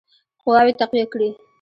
قواوي تقویه کړي.